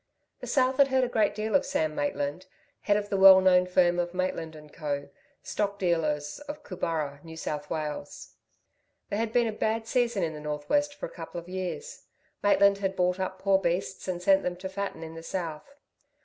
The south had heard a great deal of Sam Maitland, head of the well known firm of Maitland & Co., stock dealers, of Cooburra, New South Wales. There had been a bad season in the north west for a couple of years. Maitland had bought up poor beasts and sent them to fatten in the south.